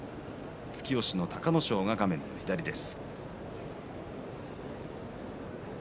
突き押しの隆の勝が相手です。